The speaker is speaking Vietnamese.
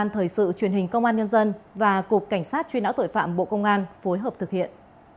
thời sự truyền hình công an nhân dân và cục cảnh sát truy nã tội phạm bộ công an phối hợp thực hiện